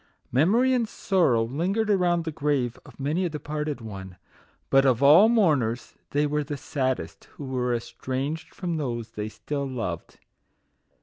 Memory and Sor row lingered around the grave of many a de parted one ; but of all mourners they were the saddest who were estranged from those they still loved.